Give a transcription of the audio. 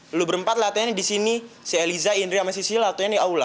lo berempat latihannya di sini si eliza indri sama sisil latihannya di aula